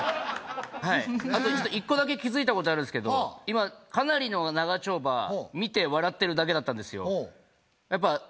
あとちょっとんですけど今かなりの長丁場見て笑ってるだけだったんですよ。